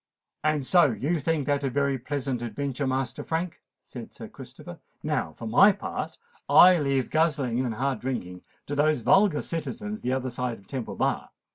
"And so you think that a very pleasant adventure, Master Frank?" said Sir Christopher. "Now, for my part, I leave guzzling and hard drinking to those vulgar citizens the other side of Temple Bar.